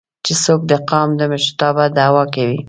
چې څوک د قام د مشرتابه دعوه کوي